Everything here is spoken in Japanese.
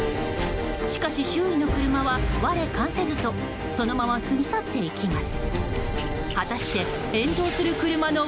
しかし周囲の車は、我関せずとそのまま過ぎ去っていきます。